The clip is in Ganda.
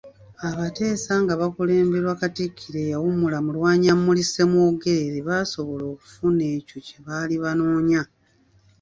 Abateesa nga baakulemberwa Katikkiro eyawummula Mulwanyammuli Ssemwogere baasobola okufuna ekyo kye baali banoonya